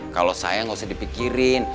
kalau sayang gak usah dipikirin